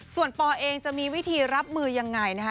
ส่วนปอเองจะมีวิธีรับมือยังไงนะคะ